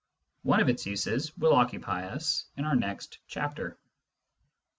One of its uses will occupy us in our next chapter.